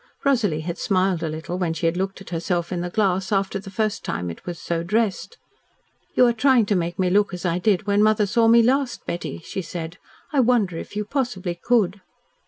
Rosalie had smiled a little when she had looked at herself in the glass after the first time it was so dressed. "You are trying to make me look as I did when mother saw me last, Betty," she said. "I wonder if you possibly could."